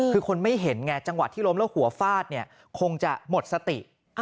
คือคนไม่เห็นไงจังหวะที่ล้มแล้วหัวฟาดเนี่ยคงจะหมดสติ